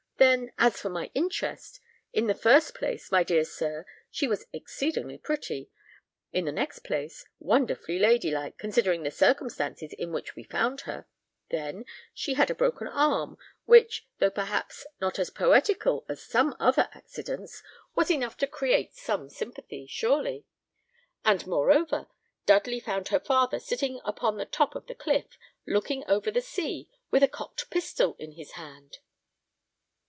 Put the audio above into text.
"Then, as for my interest: in the first place, my dear sir, she was exceedingly pretty; in the next place, wonderfully ladylike, considering the circumstances in which we found her; then, she had broken her arm, which, though perhaps not as poetical as some other accidents, was enough to create some sympathy, surely; and moreover, Dudley found her father sitting upon the top of the cliff, looking over the sea, with a cocked pistol in his hand."